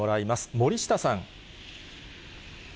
守下さん。